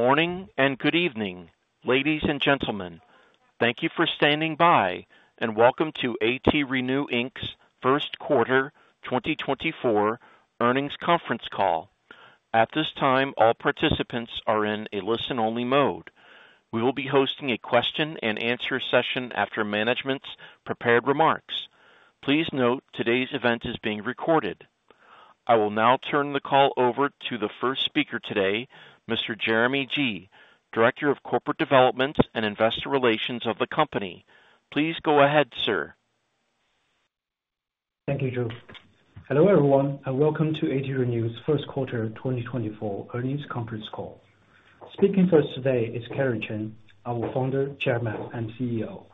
Good morning and good evening, ladies and gentlemen. Thank you for standing by, and welcome to ATRENEW Inc.'s first quarter 2024 earnings conference call. At this time, all participants are in a listen-only mode. We will be hosting a question-and-answer session after management's prepared remarks. Please note, today's event is being recorded. I will now turn the call over to the first speaker today, Mr. Jeremy Ji, Director of Corporate Development and Investor Relations of the company. Please go ahead, sir. Thank you, Joe. Hello, everyone, and welcome to ATRenew's first quarter 2024 earnings conference call. Speaking first today is Kerry Chen, our Founder, Chairman, and CEO,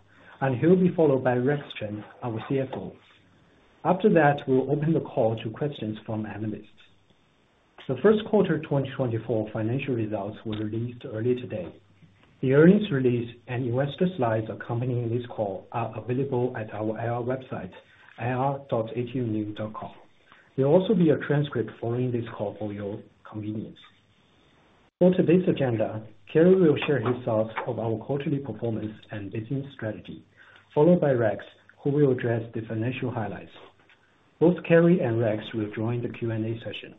and he'll be followed by Rex Chen, our CFO. After that, we'll open the call to questions from analysts. The first quarter 2024 financial results were released earlier today. The earnings release and investor slides accompanying this call are available at our IR website, ir.atrenew.com. There will also be a transcript following this call for your convenience. For today's agenda, Kerry will share his thoughts of our quarterly performance and business strategy, followed by Rex, who will address the financial highlights. Both Kerry and Rex will join the Q&A session.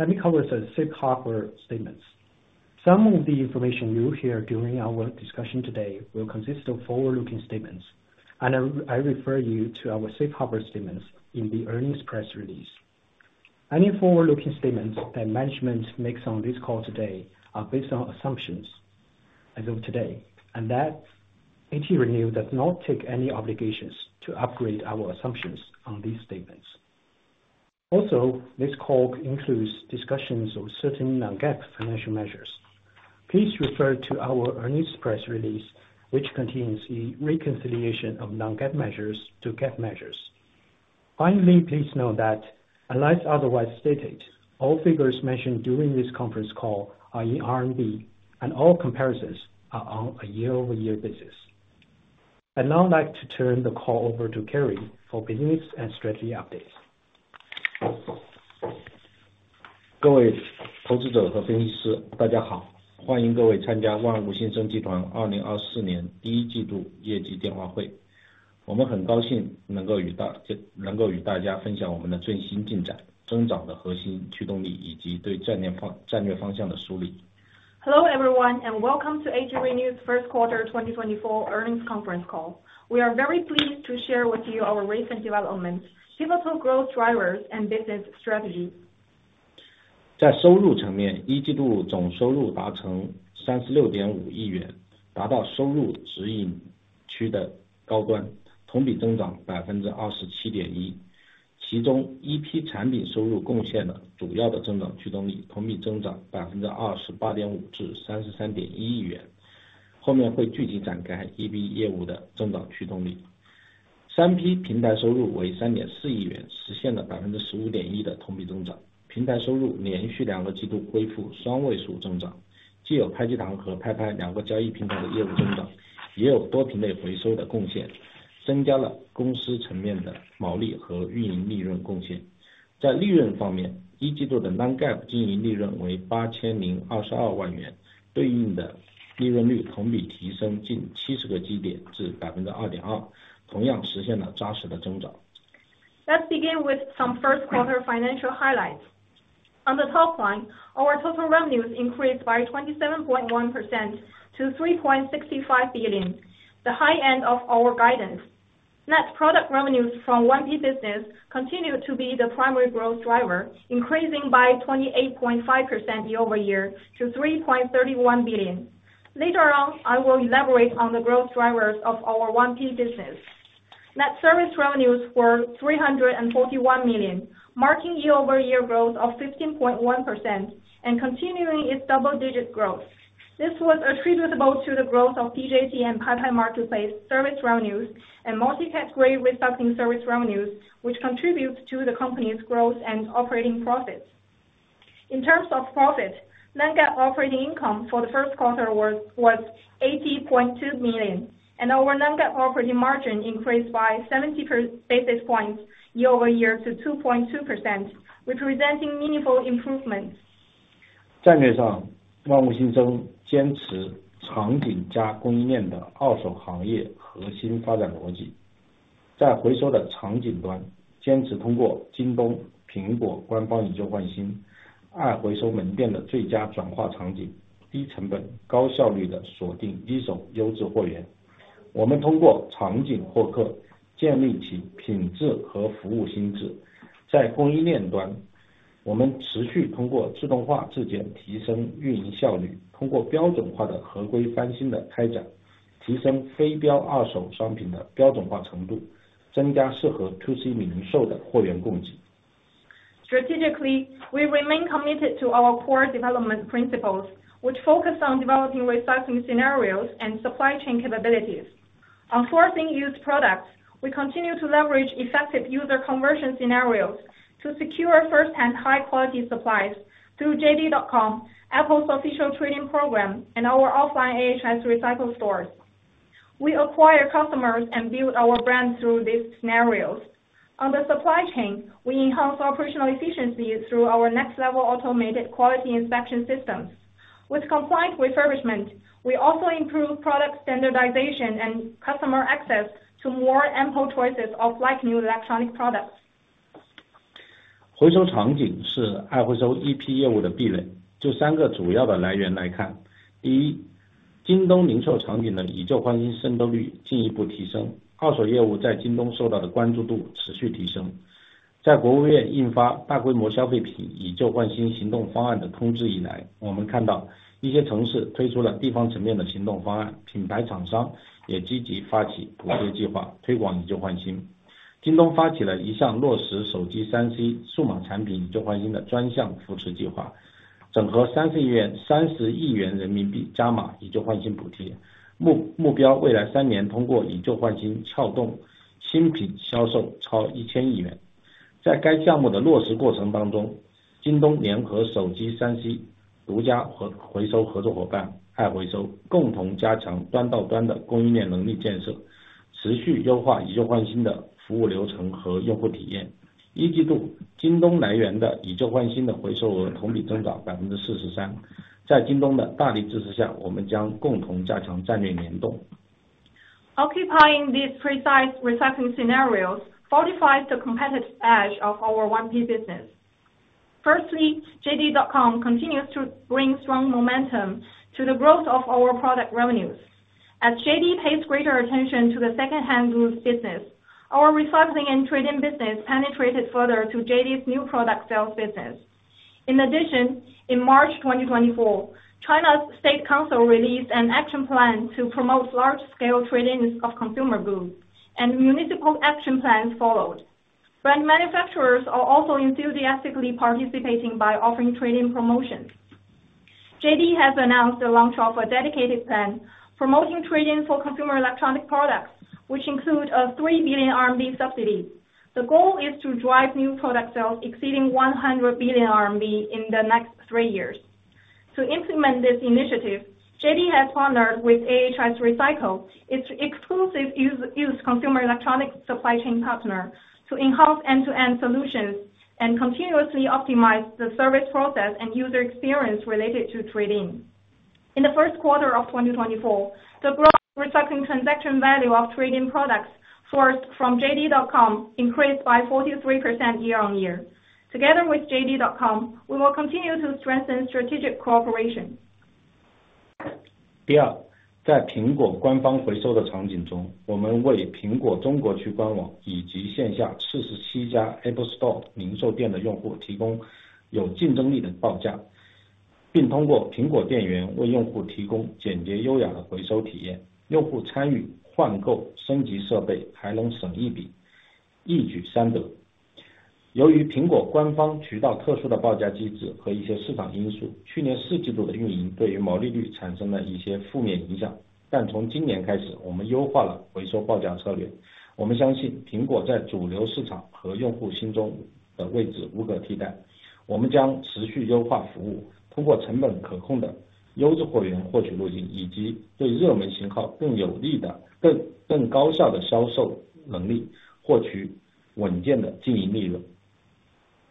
Let me cover the safe harbor statements. Some of the information you hear during our discussion today will consist of forward-looking statements, and I refer you to our safe harbor statements in the earnings press release. Any forward-looking statements that management makes on this call today are based on assumptions as of today, and that ATRenew does not take any obligations to upgrade our assumptions on these statements. Also, this call includes discussions of certain non-GAAP financial measures. Please refer to our earnings press release, which contains the reconciliation of non-GAAP measures to GAAP measures. Finally, please note that unless otherwise stated, all figures mentioned during this conference call are in RMB, and all comparisons are on a year-over-year basis. I'd now like to turn the call over to Kerry for business and strategy updates. Hello, everyone, and welcome to ATRenew's first quarter 2024 earnings conference call. We are very pleased to share with you our recent developments, pivotal growth drivers, and business strategy. Hello, everyone, and welcome to ATRenew's first quarter 2024 earnings conference call. We are very pleased to share with you our recent developments, pivotal growth drivers, and business strategy. Hello, everyone, and welcome to ATRenew's first quarter 2024 earnings conference call. We are very pleased to share with you our recent developments, pivotal growth drivers, and business strategy. Strategically, we remain committed to our core development principles, which focus on developing recycling scenarios and supply chain capabilities. On sourcing used products, we continue to leverage effective user conversion scenarios to secure first-hand, high-quality supplies through JD.com, Apple's official trade-in program, and our offline AHS Recycle stores. ...We acquire customers and build our brand through these scenarios. On the supply chain, we enhance operational efficiency through our next level automated quality inspection systems. With compliant refurbishment, we also improve product standardization and customer access to more ample choices of like new electronic products. Occupying these precise recycling scenarios fortifies the competitive edge of our 1P business. Firstly, JD.com continues to bring strong momentum to the growth of our product revenues. As JD pays greater attention to the second-hand goods business, our recycling and trading business penetrated further to JD's new product sales business. In addition, in March 2024, China's State Council released an action plan to promote large scale trade-ins of consumer goods, and municipal action plans followed. Brand manufacturers are also enthusiastically participating by offering trade-in promotions. JD has announced the launch of a dedicated plan promoting trade-in for consumer electronic products, which include a 3 billion RMB subsidy. The goal is to drive new product sales exceeding 100 billion RMB in the next three years. To implement this initiative, JD has partnered with AHS Recycle, its exclusive used consumer electronics supply chain partner, to enhance end-to-end solutions and continuously optimize the service process and user experience related to trade-in. In the first quarter of 2024, the growth recycling transaction value of trade-in products sourced from JD.com increased by 43% year-on-year. Together with JD.com, we will continue to strengthen strategic cooperation. 第二，在苹果官方回收的场景中，我们为苹果中国区官网以及线下47家Apple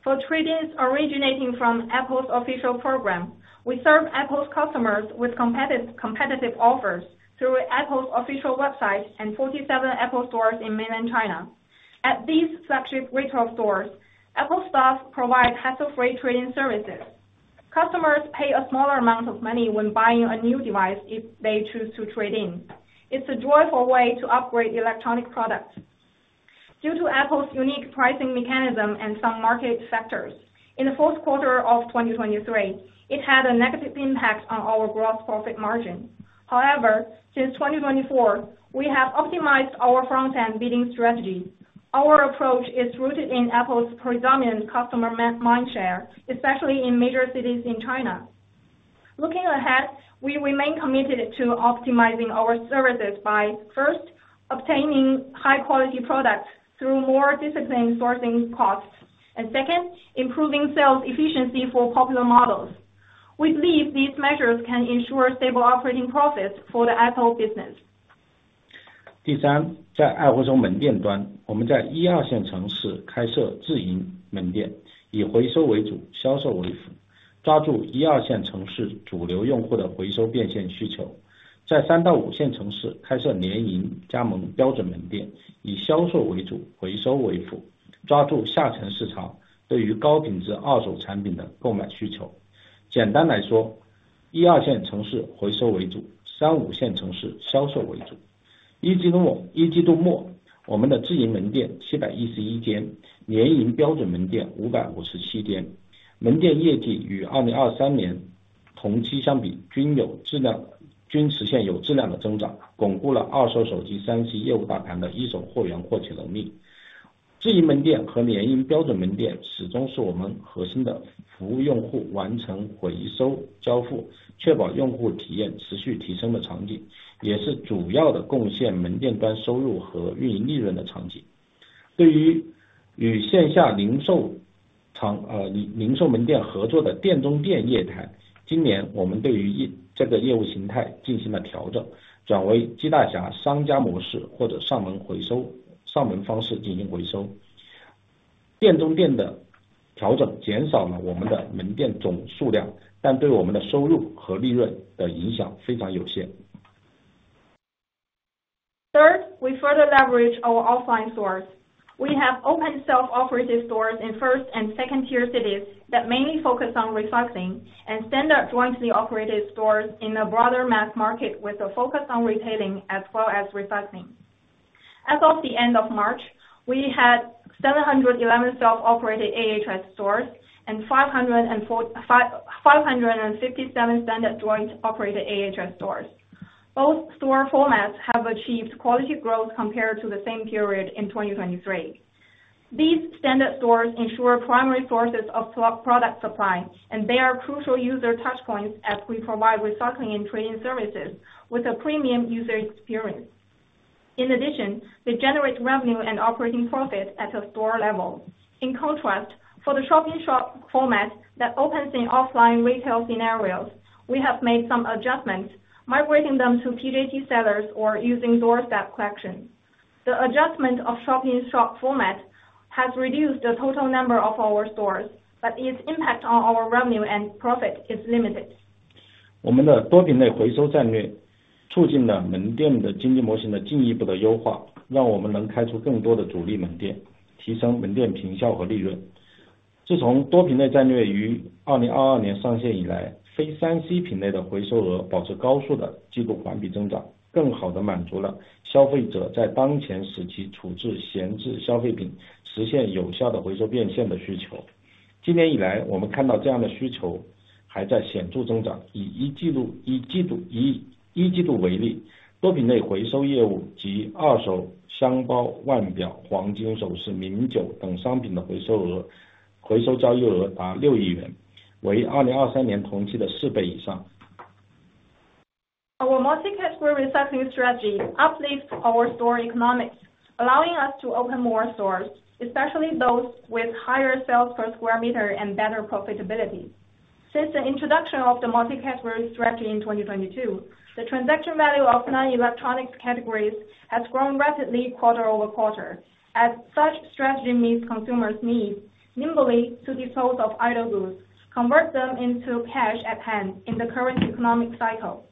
For trade-ins originating from Apple's official program, we serve Apple's customers with competitive, competitive offers through Apple's official website and 47 Apple stores in mainland China. At these flagship retail stores, Apple staff provide hassle-free trade-in services. Customers pay a smaller amount of money when buying a new device, if they choose to trade in. It's a joyful way to upgrade electronic products. Due to Apple's unique pricing mechanism and some market factors, in the fourth quarter of 2023, it had a negative impact on our gross profit margin. However, since 2024, we have optimized our front-end bidding strategy. Our approach is rooted in Apple's predominant customer mind share, especially in major cities in China. Looking ahead, we remain committed to optimizing our services by, first, obtaining high quality products through more disciplined sourcing costs, and second, improving sales efficiency for popular models. We believe these measures can ensure stable operating profits for the Apple business. 对于与线下零售商、零售门店合作的店中店业态，今年我们对于这个业务形态进行了调整，转为激励大商家模式或者上门回收，上门方式进行回收。店中店的调整减少了我们的门店总量，但对我们的收入和利润的影响非常有限。Third, we further leverage our offline stores. We have opened self-operated stores in first- and second-tier cities that mainly focus on recycling and standard jointly operated stores in a broader mass market, with a focus on retailing as well as recycling. As of the end of March, we had 711 self-operated AHS stores and 557 standard jointly operated AHS stores. Both store formats have achieved quality growth compared to the same period in 2023. These standard stores ensure primary sources of product supply, and they are crucial user touchpoints as we provide recycling and trading services with a premium user experience. In addition, they generate revenue and operating profit at a store level. In contrast, for the shop-in-shop format that opens in offline retail scenarios, we have made some adjustments, migrating them to PJT sellers or using doorstep collection. The adjustment of shop-in-shop format has reduced the total number of our stores, but its impact on our revenue and profit is limited. Our multi-category recycling strategy uplifts our store economics, allowing us to open more stores, especially those with higher sales per square meter and better profitability. Since the introduction of the multi-category strategy in 2022, the transaction value of non-electronic categories has grown rapidly quarter-over-quarter. As such, strategy meets consumers' needs nimbly to dispose of idle goods, convert them into cash at hand in the current economic cycle.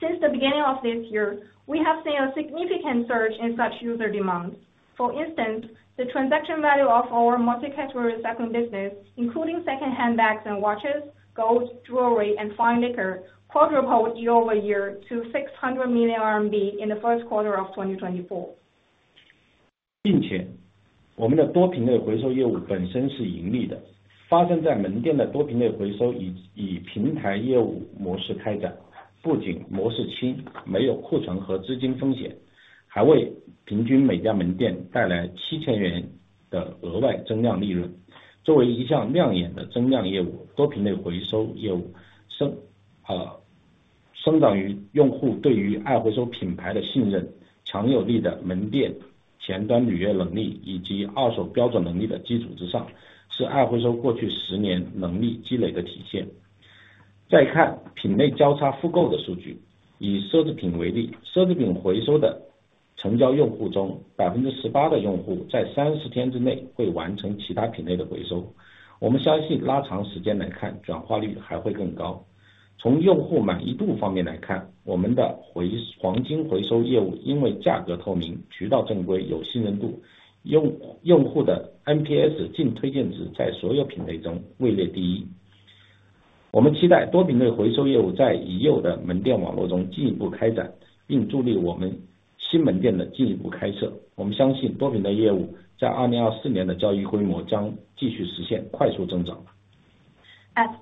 Since the beginning of this year, we have seen a significant surge in such user demand. For instance, the transaction value of our multi-category recycling business, including second-hand bags and watches, gold, jewelry and fine liquor, quadrupled year-over-year to 600 million RMB in the first quarter of 2024. At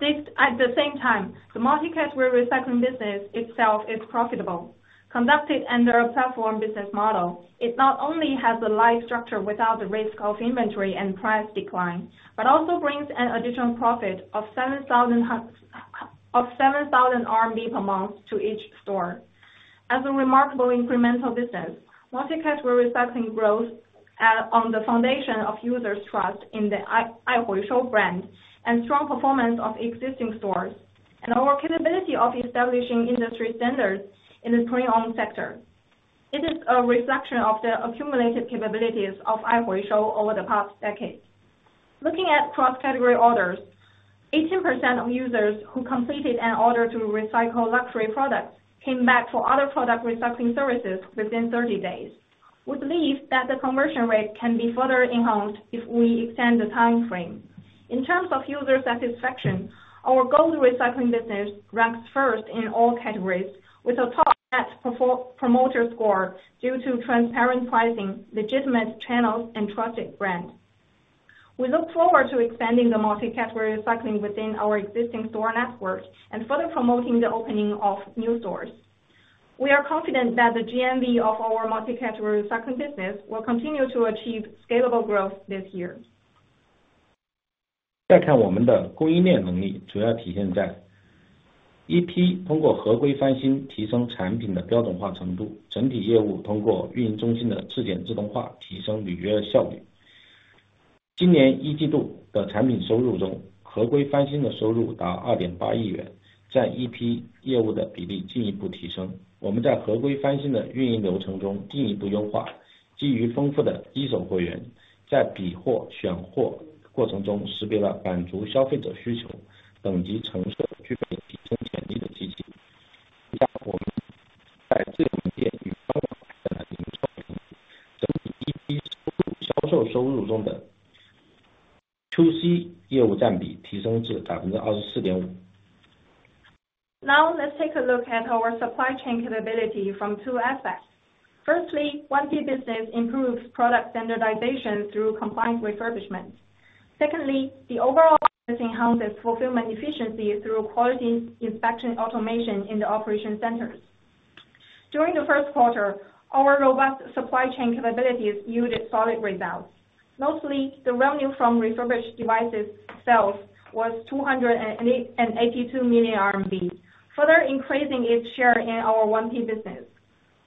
this, at the same time, the multi-category recycling business itself is profitable. Conducted under a platform business model, it not only has a light structure without the risk of inventory and price decline, but also brings an additional profit of 7,000 per month to each store. As a remarkable incremental business, multi-category recycling growth on the foundation of users trust in the Aihuishou brand and strong performance of existing stores and our capability of establishing industry standards in the pre-owned sector. It is a reflection of the accumulated capabilities of Aihuishou over the past decade. Looking at cross-category orders, 18% of users who completed an order to recycle luxury products came back for other product recycling services within 30 days. We believe that the conversion rate can be further enhanced if we extend the time frame. In terms of user satisfaction, our gold recycling business ranks first in all categories, self-operated stores and third-party overall 1P revenues, the proportion of To C business in sales revenues increased to 24.5%. Now, let's take a look at our supply chain capability from two aspects. Firstly, 1P business improves product standardization through compliance refurbishment. Secondly, the overall enhances fulfillment efficiency through quality inspection automation in the operation centers. During the first quarter, our robust supply chain capabilities yielded solid results. Mostly, the revenue from refurbished devices sales was 208.82 million RMB, further increasing its share in our 1P business.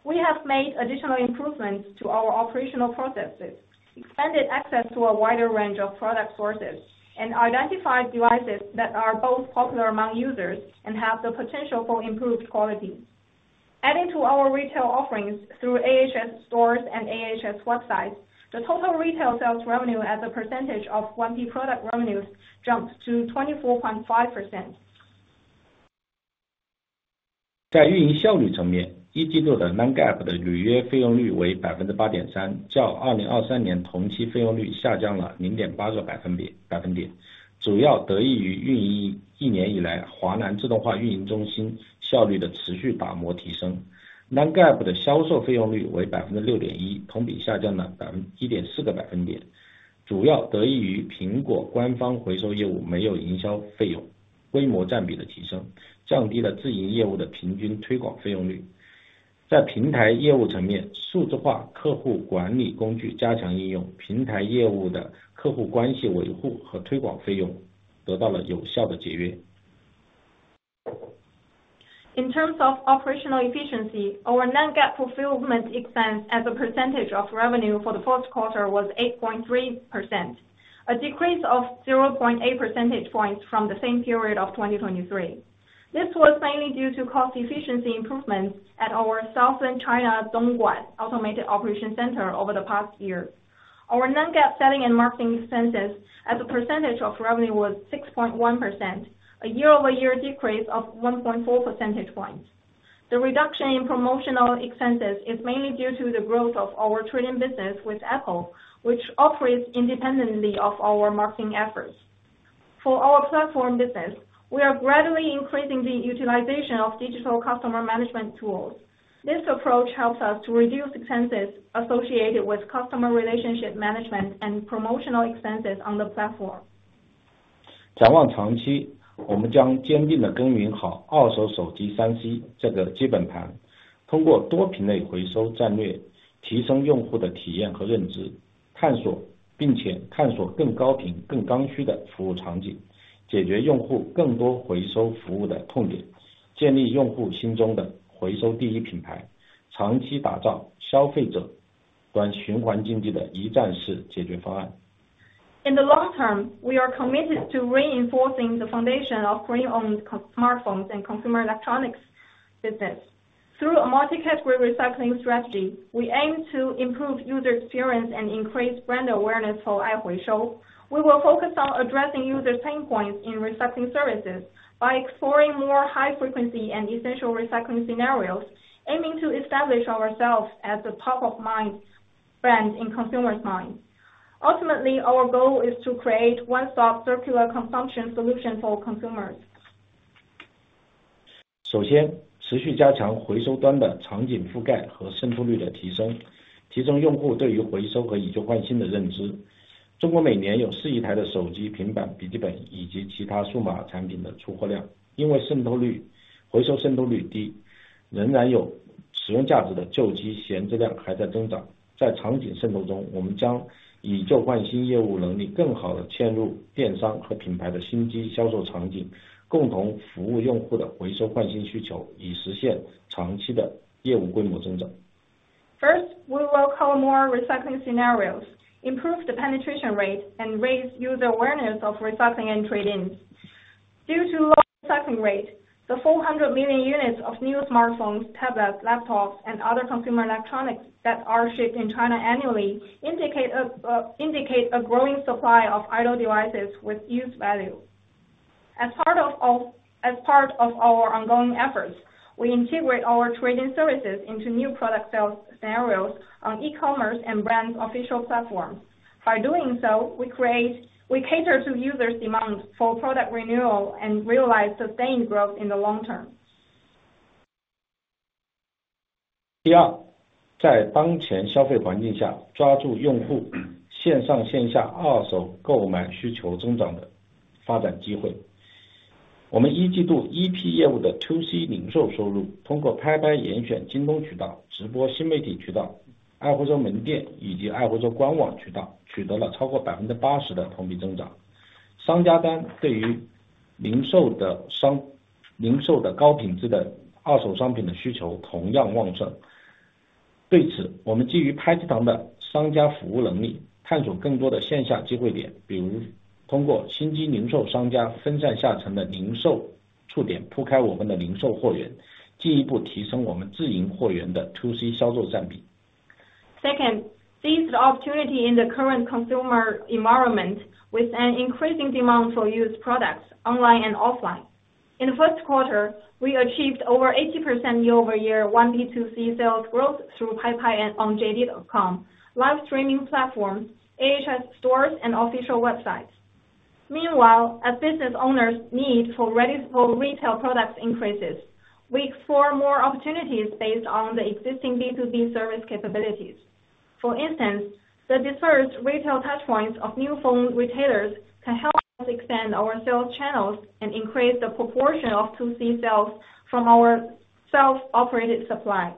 We have made additional improvements to our operational processes, expanded access to a wider range of product sources, and identified devices that are both popular among users and have the potential for improved quality. Adding to our retail offerings through AHS stores and AHS websites, the total retail sales revenue as a percentage of 1P product revenues jumped to 24.5%. 在运营效率层面，一季度的 non-GAAP 的履约费用率为 8.3%，较 2023 年同期费用率下降了 0.8 个百分点。主要得益于运营一年以来，华南自动化运营中心效率的持续打磨提升。non-GAAP 的销售费用率为 6.1%，同比下降了 1.4 个百分点，主要得益于苹果官方回收业务没有营销费用规模占比的提升，降低了自营业务的平均推广费用率。在平台业务层面，数字化客户管理工具加强应用，平台业务的客户关系维护和推广费用得到了有效的节约。In terms of operational efficiency, our non-GAAP fulfillment expense as a percentage of revenue for the first quarter was 8.3%, a decrease of 0.8 percentage points from the same period of 2023. This was mainly due to cost efficiency improvements at our Southern China Dongguan Automated Operation Center over the past year. Our non-GAAP selling and marketing expenses as a percentage of revenue was 6.1%, a year-over-year decrease of 1.4 percentage points. The reduction in promotional expenses is mainly due to the growth of our trading business with Apple, which operates independently of our marketing efforts. For our platform business, we are gradually increasing the utilization of digital customer management tools. This approach helps us to reduce expenses associated with customer relationship management and promotional expenses on the platform. 展望长期，我们将坚定地耕耘好二手手机3C这个基本盘，通过多品类回收战略，提升用户的体验和认知，探索，并且探索更高频、更刚需的服务场景，解决用户更多回收服务的痛点，建立用户心中的回收第一品牌，长期打造消费者端循环经济的一站式解决方案。In the long term, we are committed to reinforcing the foundation of pre-owned smartphones and consumer electronics business. Through a multi-category recycling strategy, we aim to improve user experience and increase brand awareness for AHS Recycle. We will focus on addressing user pain points in recycling services by exploring more high-frequency and essential recycling scenarios, aiming to establish ourselves as the top-of-mind brand in consumers' minds. Ultimately, our goal is to create one-stop circular consumption solution for consumers. 首先，持续加强回收端的场景覆盖和渗透率的提升，提升用户对于回收和以旧换新的认知。中国每年有4亿台的手机、平板、笔记本以及其他数码产品的出货量，因为渗透率，回收渗透率低，仍然有使用价值的旧机闲置量还在增长。在场景渗透中，我们将以旧换新业务能力更好地嵌入电商和品牌的新机销售场景，共同服务用户的回收换新需求，以实现长期的业务规模增长。First, we will cover more recycling scenarios, improve the penetration rate, and raise user awareness of recycling and trade-in. Due to low recycling rate, the 400 million units of new smartphones, tablets, laptops, and other consumer electronics that are shipped in China annually indicate a growing supply of idle devices with use value. As part of our ongoing efforts, we integrate our trading services into new product sales scenarios on e-commerce and brand official platforms. By doing so, we cater to users demand for product renewal and realize sustained growth in the long term. 第二，在当前消费环境下，抓住用户线上线下二手购买需求增长的发展机会。... 我们一季度3P业务的To C零售收入，通过拍拍严选京东渠道、直播新媒体渠道、爱回收门店以及爱回收官网渠道，取得了超过80%的同比增长。商家端对于零售高品质二手商品的需求同样旺盛。对此，我们基于拍拍堂的商家服务能力，探索更多的线下机会点，比如通过新机零售商家分散下沉的零售触点，铺开我们的零售货源，进一步提升我们自营货源的To C销售占比。Second, seize the opportunity in the current consumer environment with an increasing demand for used products online and offline. In the first quarter, we achieved over 80% year-over-year 1P to C sales growth through Paipai and on JD.com, live streaming platforms, AHS stores, and official websites. Meanwhile, as business owners need for ready for retail products increases, we explore more opportunities based on the existing B2B service capabilities. For instance, the dispersed retail touchpoints of new phone retailers can help us expand our sales channels and increase the proportion of To C sales from our self-operated supply.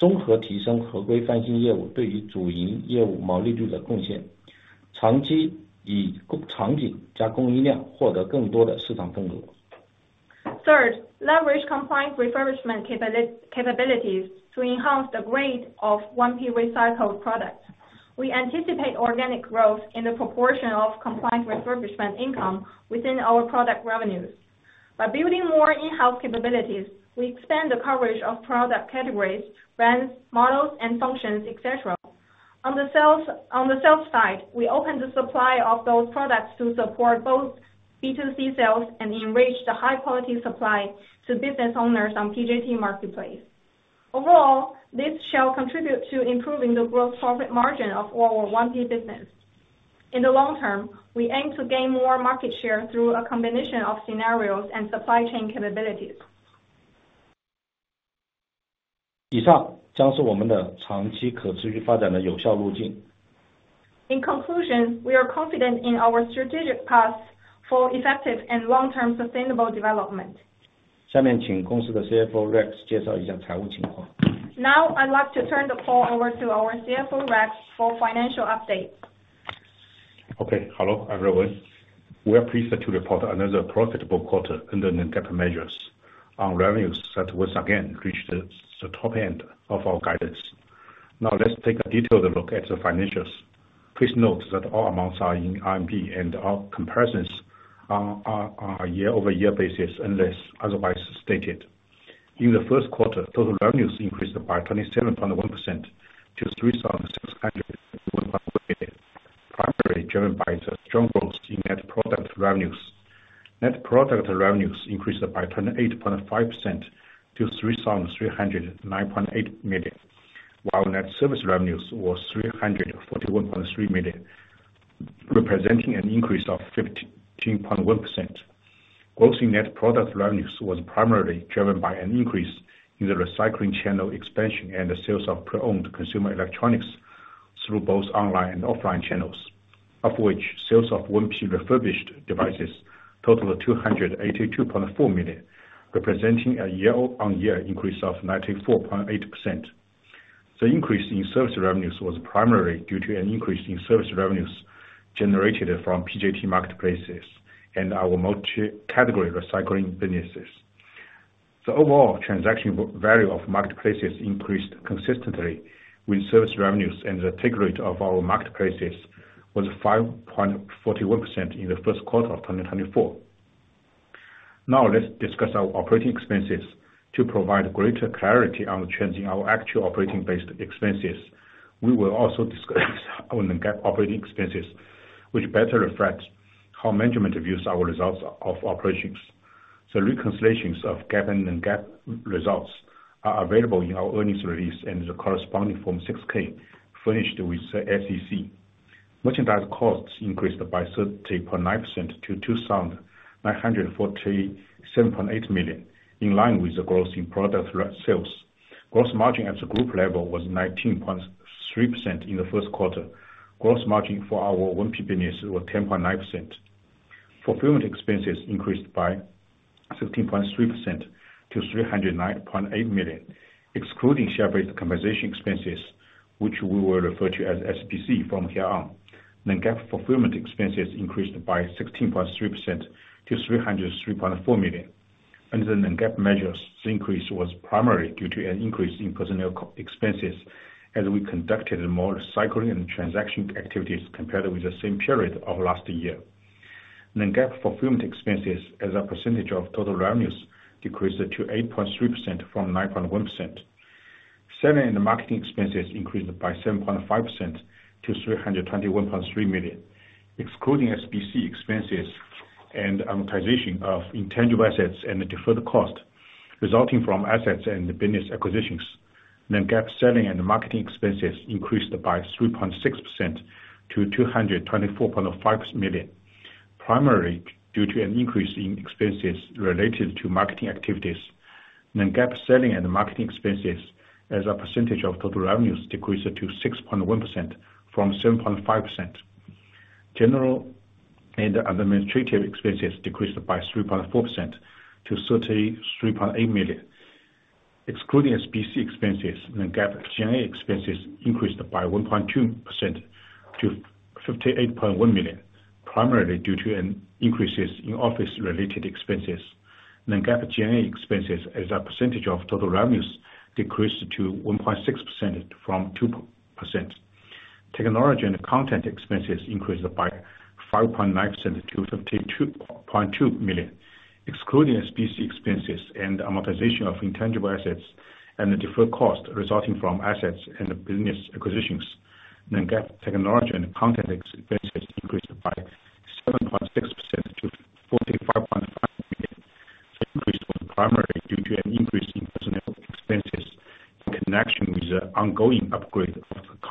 B销售的优质货源供给，综合提升合规翻新业务对于主营业务毛利率的贡献。长期以产品加供应链获得更多的市场份额。Third, leverage compliant refurbishment capabilities to enhance the grade of one key recycled products. We anticipate organic growth in the proportion of compliant refurbishment income within our product revenues. By building more in-house capabilities, we expand the coverage of product categories, brands, models and functions, et cetera. On the sales side, we open the supply of those products to support both B2C sales and enrich the high quality supply to business owners on PJT Marketplace. Overall, this shall contribute to improving the gross profit margin of our 1P business. In the long term, we aim to gain more market share through a combination of scenarios and supply chain capabilities. 以上将是我们的长期可持续发展的有效路径。In conclusion, we are confident in our strategic path for effective and long-term sustainable development. 下面请公司的CFO Rex介绍一下财务情况。Now, I'd like to turn the call over to our CFO, Rex, for financial update. Okay. Hello, everyone. We are pleased to report another profitable quarter under the GAAP measures. Our revenues set once again reached the top end of our guidance. Now, let's take a detailed look at the financials. Please note that all amounts are in RMB, and all comparisons are year-over-year basis, unless otherwise stated. In the first quarter, total revenues increased by 27.1% to 3,601 million, primarily driven by the strong growth in net product revenues. Net product revenues increased by 28.5% to 3,309.8 million, while net service revenues was 341.3 million, representing an increase of 15.1%. Growth in net product revenues was primarily driven by an increase in the recycling channel expansion and the sales of pre-owned consumer electronics through both online and offline channels, of which sales of 1P refurbished devices totaled 282.4 million, representing a year-on-year increase of 94.8%. The increase in service revenues was primarily due to an increase in service revenues generated from PJT marketplaces and our multi-category recycling businesses. The overall transaction value of marketplaces increased consistently with service revenues, and the take rate of our marketplaces was 5.41% in the first quarter of 2024. Now, let's discuss our operating expenses. To provide greater clarity on trends in our actual operating based expenses, we will also discuss our non-GAAP operating expenses, which better reflect how management views our results of operations. The reconciliations of GAAP and non-GAAP results are available in our earnings release and the corresponding Form 6-K furnished with the SEC. Merchandise costs increased by 30.9% to 2,947.8 million, in line with the growth in product sales. Gross margin at the group level was 19.3% in the first quarter. Gross margin for our 1P business was 10.9%. Fulfillment expenses increased by 15.3% to 309.8 million, excluding share-based compensation expenses, which we will refer to as SBC from here on. Non-GAAP fulfillment expenses increased by 16.3% to 303.4 million. Under the non-GAAP measures, this increase was primarily due to an increase in personnel cost expenses, as we conducted more recycling and transaction activities compared with the same period of last year. Non-GAAP fulfillment expenses as a percentage of total revenues decreased to 8.3% from 9.1%. Selling and marketing expenses increased by 7.5% to 321.3 million. Excluding SBC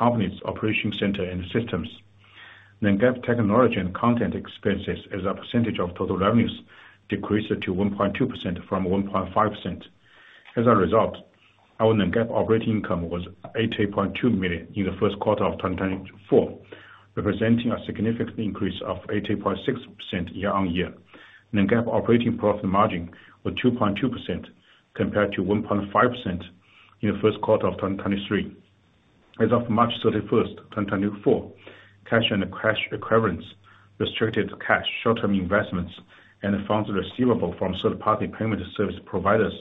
the ongoing upgrade of the company's operation center and systems. Non-GAAP technology and content expenses as a percentage of total revenues decreased to 1.2% from 1.5%. As a result, our non-GAAP operating income was 80.2 million in the first quarter of 2024, representing a significant increase of 80.6% year-on-year. Non-GAAP operating profit margin was 2.2% compared to 1.5% in the first quarter of 2023. As of March 31, 2024, cash and cash equivalents, restricted cash, short-term investments, and funds receivable from third-party payment service providers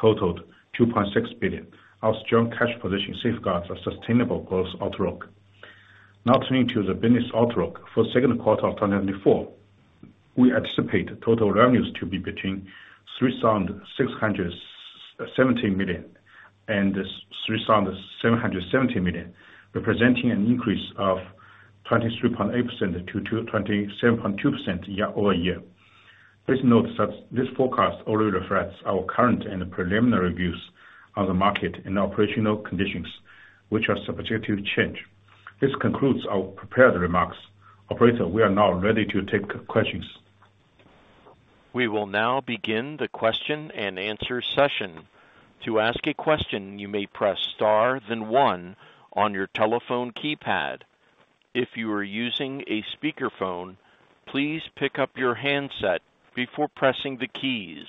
totaled 2.6 billion. Our strong cash position safeguards our sustainable growth outlook. Now turning to the business outlook for the second quarter of 2024. We anticipate total revenues to be between 3,670 million and 3,770 million, representing an increase of 23.8%-27.2% year-over-year. Please note that this forecast only reflects our current and preliminary views on the market and operational conditions, which are subject to change. This concludes our prepared remarks. Operator, we are now ready to take questions. We will now begin the question and answer session. To ask a question, you may press star, then one on your telephone keypad. If you are using a speakerphone, please pick up your handset before pressing the keys.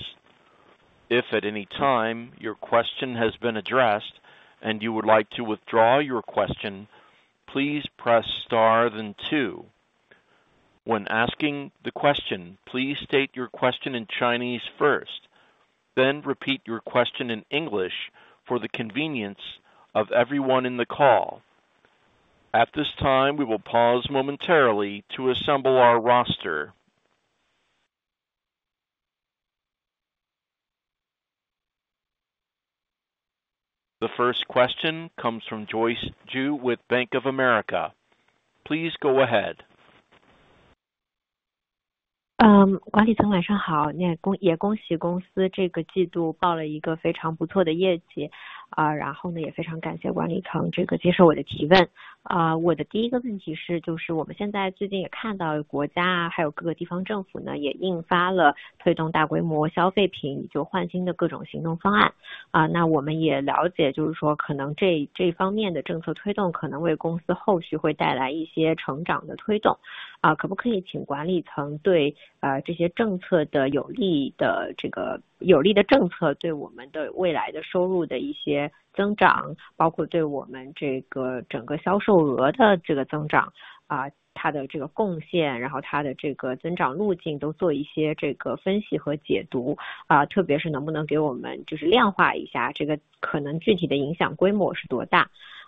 If at any time your question has been addressed and you would like to withdraw your question, please press star then two. When asking the question, please state your question in Chinese first, then repeat your question in English for the convenience of everyone in the call. At this time, we will pause momentarily to assemble our roster. The first question comes from Joyce Ju with Bank of America. Please go ahead.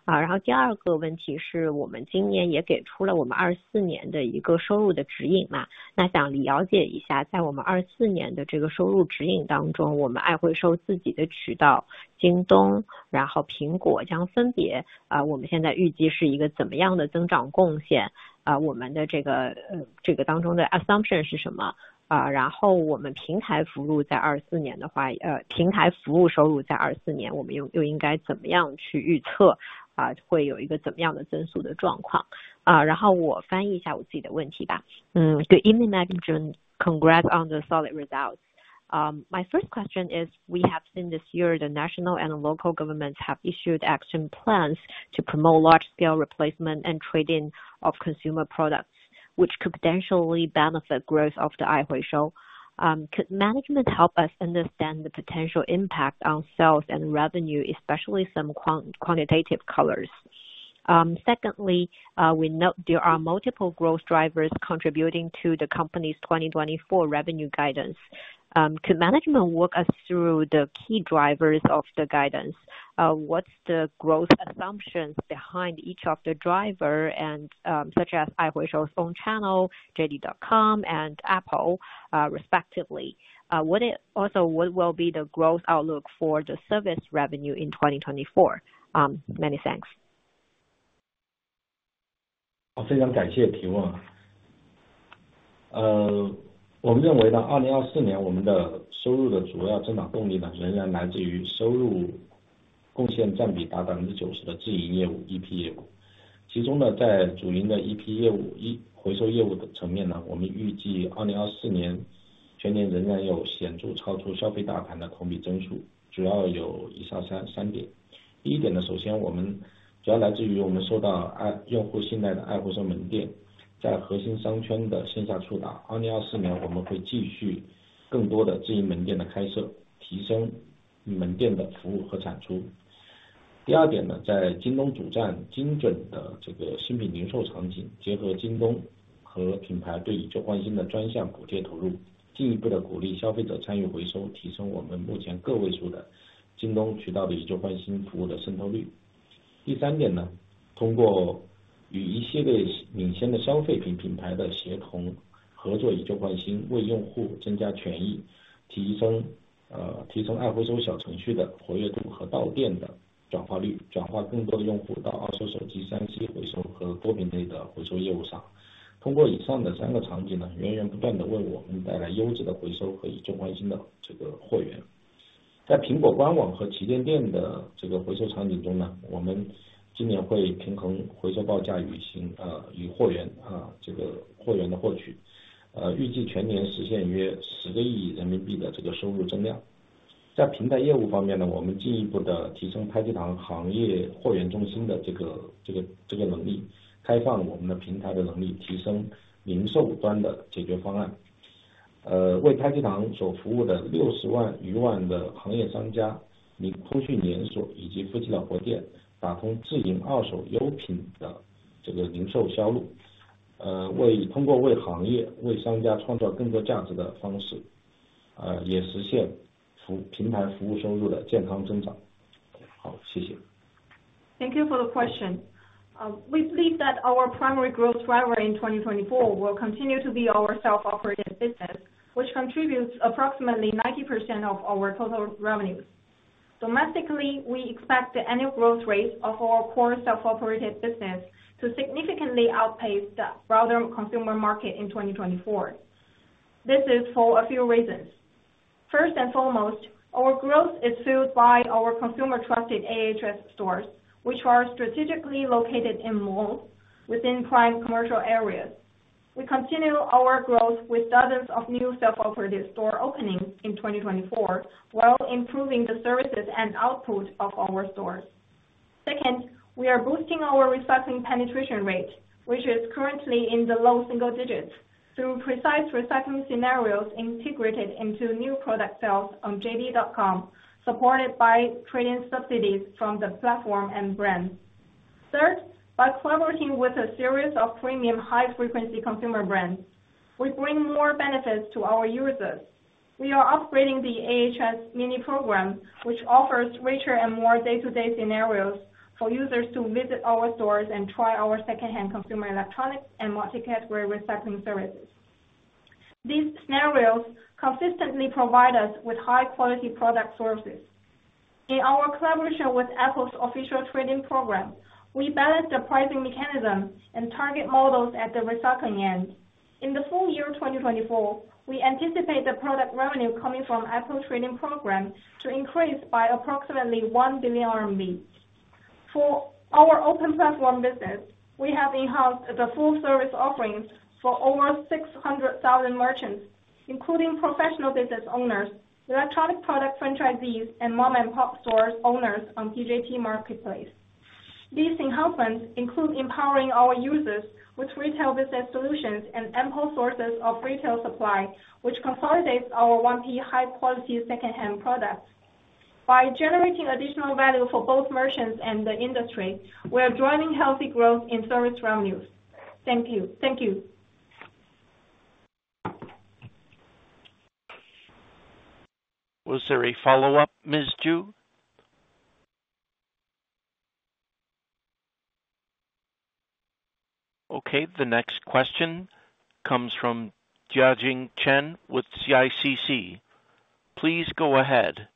响规模是多大？然后第二个问题是，我们今年也给出了我们2024年的一个收入的指引，那想了解一下，在我们2024年的这个收入指引当中，我们爱回收自己的渠道，京东，然后苹果将分别... 我们现在预计是一个怎么样的增长贡献，我们的这个当中的assumption是什么？然后我们平台服务在2024年的话，平台服务收入在2024年我们又应该怎么样去预测，会有一个怎么样的增速的情况。然后我翻译一下自己的问题吧。Good evening, management. Congrats on the solid results. My first question is, we have seen this year the national and local governments have issued action plans to promote large-scale replacement and trading of consumer products, which could potentially benefit growth of the Aihuishou. Could management help us understand the potential impact on sales and revenue, especially some quantitative color? Secondly, we note there are multiple growth drivers contributing to the company's 2024 revenue guidance. Could management walk us through the key drivers of the guidance? What's the growth assumptions behind each of the driver and, such as Aihuishou phone channel, JD.com and Apple, respectively? Also, what will be the growth outlook for the service revenue in 2024? Many thanks. 1 billion的这个收入增量。在平台业务方面，我们进一步地提升拍机堂行业货源中心的能力，开放我们的平台的能力，提升零售端的解决方案。为拍机堂所服务的60万家行业商家、附近连锁以及附近门店，打通自营二手优品的这个零售销路。通过为行业商家创造更多价值的方式，也实现平台服务收入的健康增长。好，谢谢。Thank you for the question. We believe that our primary growth driver in 2024 will continue to be our self-operated business, which contributes approximately 90% of our total revenues. Domestically, we expect the annual growth rate of our core self-operated business to significantly outpace the broader consumer market in 2024. This is for a few reasons. First and foremost, our growth is fueled by our consumer trusted AHS stores, which are strategically located in malls within prime commercial areas. We continue our growth with dozens of new self-operated store openings in 2024, while improving the services and output of our stores. Second, we are boosting our recycling penetration rate, which is currently in the low single digits, through precise recycling scenarios integrated into new product sales on JD.com, supported by trading subsidies from the platform and brands. Third, by collaborating with a series of premium high-frequency consumer brands, we bring more benefits to our users. We are upgrading the AHS mini program, which offers richer and more day-to-day scenarios for users to visit our stores and try our secondhand consumer electronics and multi-category recycling services. These scenarios consistently provide us with high quality product sources. In our collaboration with Apple's official trade-in program, we balance the pricing mechanism and target models at the recycling end. In the full year 2024, we anticipate the product revenue coming from Apple trade-in program to increase by approximately 1 billion RMB. For our open platform business, we have enhanced the full service offerings for over 600,000 merchants, including professional business owners, electronic product franchisees, and mom-and-pop store owners on PJT Marketplace. These enhancements include empowering our users with retail business solutions and ample sources of retail supply, which consolidates our one-stop high-quality secondhand products. By generating additional value for both merchants and the industry, we are driving healthy growth in service revenues. Thank you. Thank you. Was there a follow-up, Ms. Ju? Okay, the next question comes from Jiajing Chen with CICC. Please go ahead.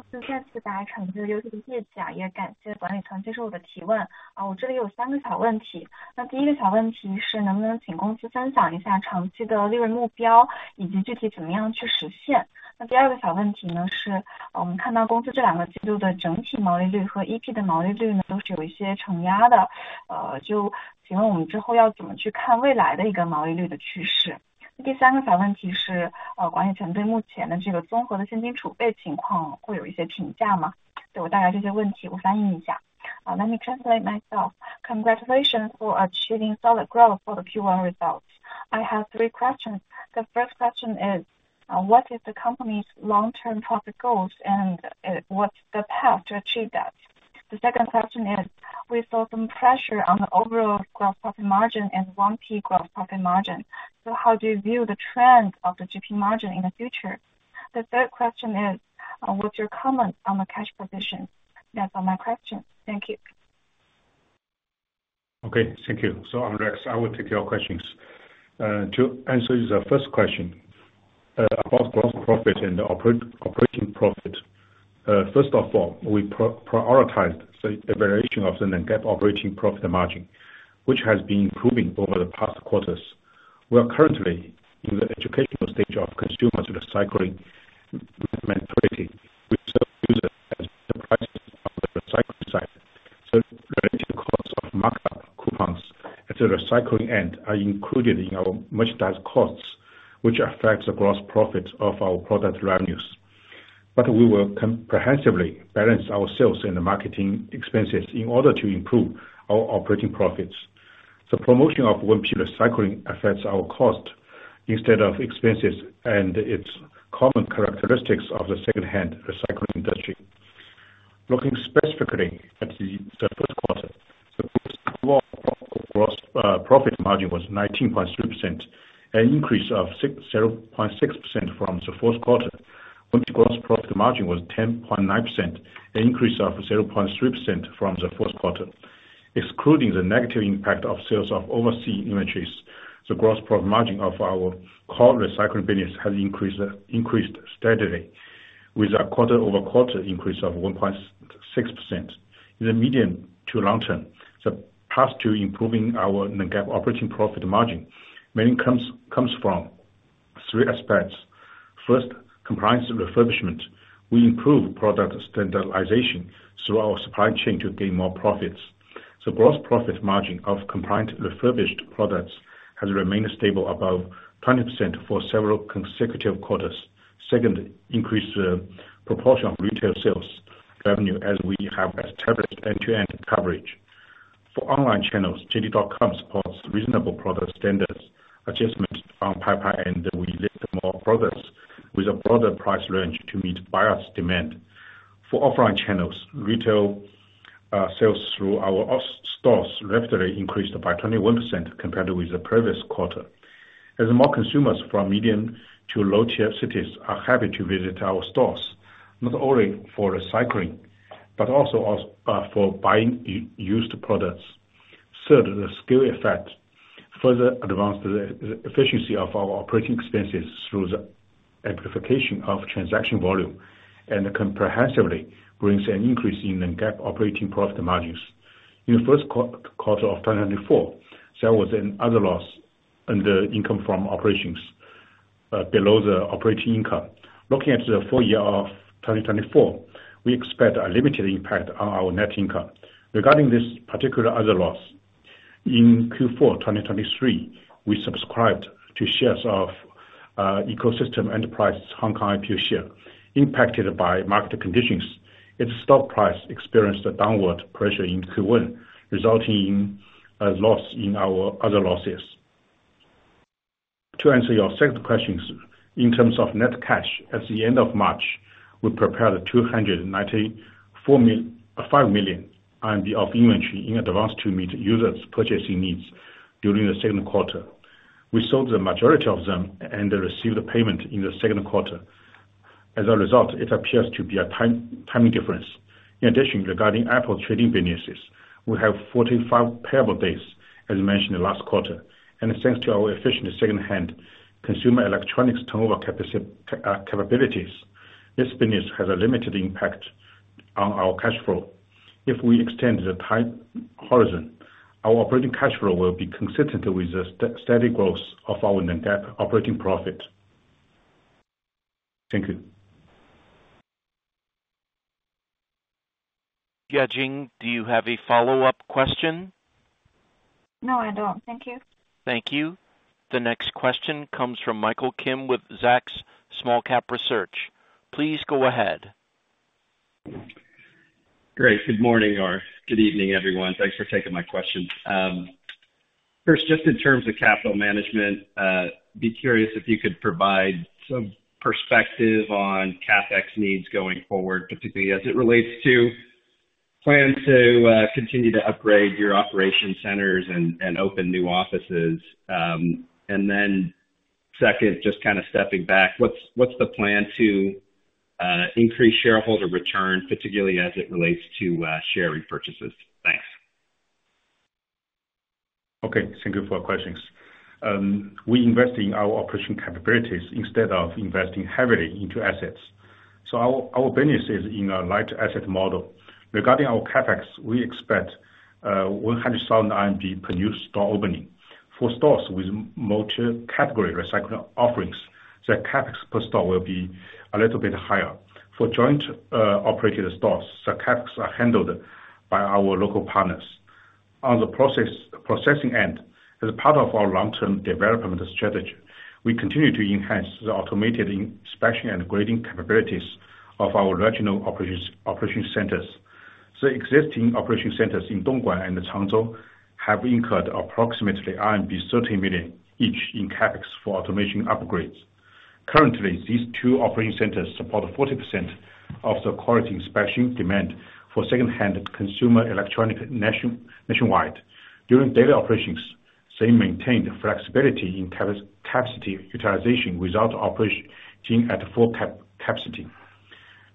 公司再次达成，就是业绩啊，也感谢管理层接受我的提问。啊，我这里有三个小问题，那第一个小问题是，能不能请公司分享一下长期的利润目标，以及具体怎么样去实现？那第二个小问题呢是，我们看到公司这两个季度的整体毛利率和EP的毛利率呢，都是有一些承压的，就请问我们之后要怎么去看未来的一个毛利率的趋势？第三个小问题是，管理层对目前这个综合的现金储备情况会有一些评价吗？对，我大概这些问题我翻译一下。Ah, let me translate myself. Congratulations for achieving solid growth for the Q1 results. I have three questions. The first question is, what is the company's long-term profit goals and, what's the path to achieve that? The second question is: we saw some pressure on the overall gross profit margin and one key gross profit margin. So how do you view the trend of the GP margin in the future? The third question is, what's your comment on the cash position? That's all my question. Thank you.... Okay, thank you. So I'm Rex. I will take your questions. To answer the first question about gross profit and operating profit. First of all, we prioritize the evaluation of the net GAAP operating profit and margin, which has been improving over the past quarters. We are currently in the educational stage of consumer recycling mentality, which adjusts the prices of the recycling side. So the relative costs of markup, coupons at the recycling end are included in our merchandise costs, which affects the gross profits of our product revenues. But we will comprehensively balance our sales and marketing expenses in order to improve our operating profits. The promotion of 1P recycling affects our cost instead of expenses, and it's common characteristics of the secondhand recycling industry. Looking specifically at the first quarter, the overall gross profit margin was 19.3%, an increase of 0.6% from the fourth quarter, when gross profit margin was 10.9%, an increase of 0.3% from the fourth quarter. Excluding the negative impact of sales of overseas inventories, the gross profit margin of our core recycling business has increased steadily, with a quarter-over-quarter increase of 1.6%. In the medium to long term, the path to improving our net GAAP operating profit margin mainly comes from three aspects. First, compliance refurbishment. We improve product standardization through our supply chain to gain more profits. The gross profit margin of compliant refurbished products has remained stable above 20% for several consecutive quarters. Second, increase the proportion of retail sales revenue as we have established end-to-end coverage. For online channels, JD.com supports reasonable product standards, adjustments on Paipai, and we list more products with a broader price range to meet buyers' demand. For offline channels, retail sales through our offline stores rapidly increased by 21% compared with the previous quarter. As more consumers from medium to low-tier cities are happy to visit our stores, not only for recycling, but also as for buying used products. Third, the scale effect further advanced the efficiency of our operating expenses through the amplification of transaction volume, and comprehensively brings an increase in the GAAP operating profit margins. In the first quarter of 2024, there was another loss in the income from operations below the operating income. Looking at the full year of 2024, we expect a limited impact on our net income. Regarding this particular other loss, in Q4 2023, we subscribed to shares of Ecosystem Enterprises, Hong Kong IPO share. Impacted by market conditions, its stock price experienced a downward pressure in Q1, resulting in a loss in our other losses. To answer your second question, in terms of net cash, at the end of March, we prepared 294.5 million of inventory in advance to meet users' purchasing needs during the second quarter. We sold the majority of them and received payment in the second quarter. As a result, it appears to be a timing difference. In addition, regarding Apple trading businesses, we have 45 payable days, as mentioned last quarter. Thanks to our efficient secondhand consumer electronics turnover capabilities, this business has a limited impact on our cash flow. If we extend the time horizon, our operating cash flow will be consistent with the steady growth of our net GAAP operating profit. Thank you. Yajing, do you have a follow-up question? No, I don't. Thank you. Thank you. The next question comes from Michael Kim with Zacks Small-Cap Research. Please go ahead. Great. Good morning or good evening, everyone. Thanks for taking my questions. First, just in terms of capital management, be curious if you could provide some perspective on CapEx needs going forward, particularly as it relates to plans to continue to upgrade your operation centers and open new offices. And then second, just kind of stepping back, what's the plan to increase shareholder return, particularly as it relates to share repurchases? Thanks. Okay, thank you for your questions. We invest in our operation capabilities instead of investing heavily into assets. So our business is in a light asset model. Regarding our CapEx, we expect 100,000 RMB per new store opening. For stores with multi-category recycling offerings, the CapEx per store will be a little bit higher. For joint operated stores, the CapEx are handled by our local partners. On the processing end, as part of our long-term development strategy, we continue to enhance the automated inspection and grading capabilities of our regional operation centers. The existing operation centers in Dongguan and Changzhou have incurred approximately RMB 30 million, each in CapEx for automation upgrades. Currently, these two operating centers support 40% of the quality inspection demand for secondhand consumer electronics nationwide. During daily operations, they maintain flexibility in capacity utilization without operating at full capacity.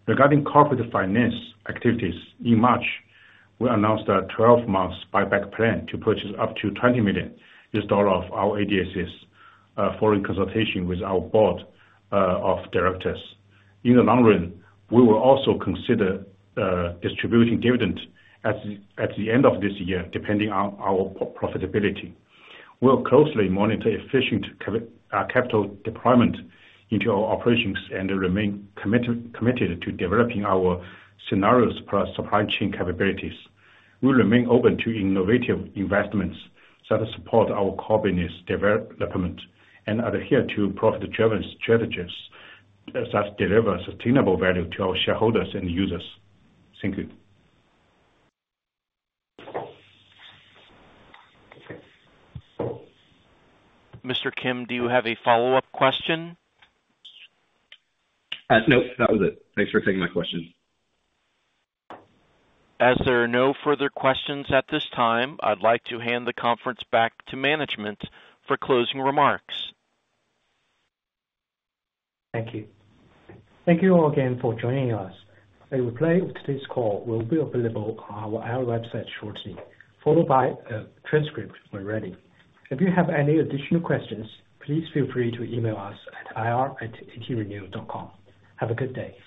Regarding corporate finance activities, in March, we announced a twelve-month buyback plan to purchase up to $20 million of our ADSs, in consultation with our board of directors. In the long run, we will also consider distributing dividends at the end of this year, depending on our profitability. We'll closely monitor efficient capital deployment into our operations and remain committed to developing our scenarios plus supply chain capabilities. We'll remain open to innovative investments that support our core business development and adhere to profit-driven strategies that deliver sustainable value to our shareholders and users. Thank you. Mr. Kim, do you have a follow-up question? Nope, that was it. Thanks for taking my question. As there are no further questions at this time, I'd like to hand the conference back to management for closing remarks. Thank you. Thank you all again for joining us. A replay of today's call will be available on our website shortly, followed by a transcript when ready. If you have any additional questions, please feel free to email us at ir@atrenew.com. Have a good day.